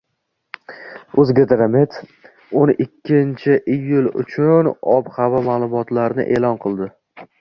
«O‘zgidromet»o'n ikkiiyul uchun ob-havo ma'lumotini e'lon qildi